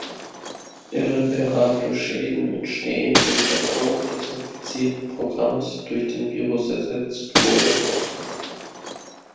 Irreparable Schäden entstehen, wenn der Code des infizierten Programms durch den Virus ersetzt wurde.